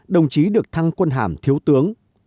đồng chí được thăng quân hàm thiếu tướng